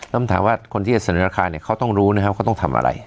ต้องถามว่าคนที่จะเสนอราคาเนี่ยเขาต้องรู้นะครับเขาต้องทำอะไร